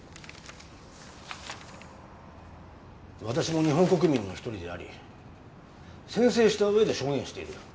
私も日本国民の一人であり宣誓した上で証言している。